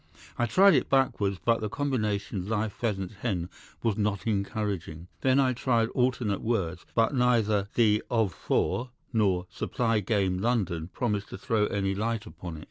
I tried it backwards, but the combination 'life pheasant's hen' was not encouraging. Then I tried alternate words, but neither 'The of for' nor 'supply game London' promised to throw any light upon it.